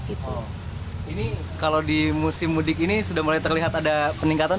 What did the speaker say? ini kalau di musim mudik ini sudah mulai terlihat ada peningkatan